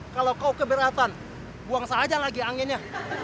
kalau kau keberatan buang saja lagi anginnya